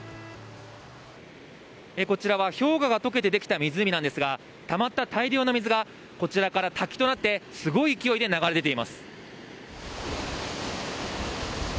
こちらは氷河がとけて出来た湖なんですが、たまった大量の水が、こちらから滝となってすごい勢いで流れ出ています。